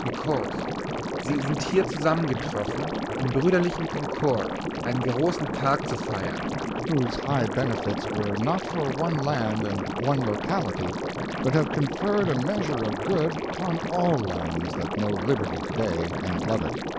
Because sie sind hier zusammengetroffen, in Bruderlichem concord, ein grossen Tag zu feirn, whose high benefits were not for one land and one locality, but have conferred a measure of good upon all lands that know liberty today, and love it.